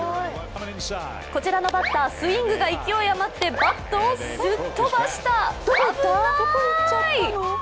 こちらのバッター、スイングが勢い余ってバットをすっ飛ばした。